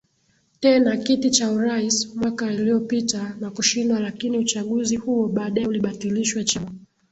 tena kiti cha urais mwaka uliopita na kushindwa lakini uchaguzi huo baadaye ulibatilishwaChama